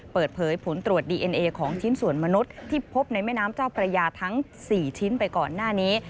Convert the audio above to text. เปิดเผยผลตรวจดีเอ็นเอของชิ้นส่วนมนุษย์ที่พบในแม่น้ำเจ้าพระยาทั้ง๔ชิ้นไปก่อนหน้านี้